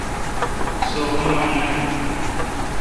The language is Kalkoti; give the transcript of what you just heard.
سو اوما ناین۔